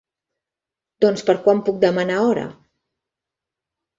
Doncs per quan puc demanar hora?